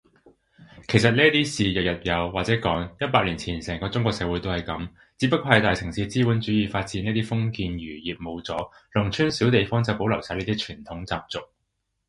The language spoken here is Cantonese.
其實呢啲事日日有，或者講，一百年前成個中國社會都係噉，只不過大城市資本主義發展呢啲封建餘孽冇咗，農村小地方就保留晒呢啲傳統習俗